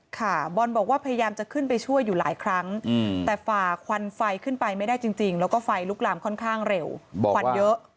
ค่ะบอลบอกว่าพยายามจะขึ้นไปช่วยอยู่หลายครั้งแต่ฝ่าควันไฟขึ้นไปไม่ได้จริงแล้วก็ไฟลุกลามค่อนข้างเร็วควันเยอะ